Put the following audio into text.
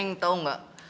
neng tau gak